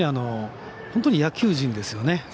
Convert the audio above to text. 本当に野球人ですよね。